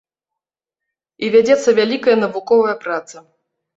І вядзецца вялікая навуковая праца.